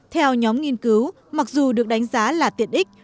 theo nhóm nghiên cứu mặc dù được đánh giá là tiện ích